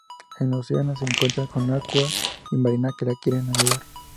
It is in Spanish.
En Oceana se encuentra con Aqua y Marina que la quieren ayudar.